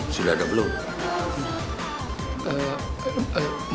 sudah ada belum